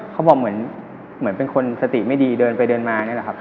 เขาบอกเหมือนเป็นคนสติไม่ดีเดินไปเดินมานี่แหละครับ